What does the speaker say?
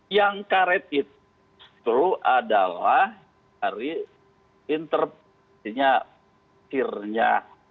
yang karet itu adalah dari interpenya akhirnya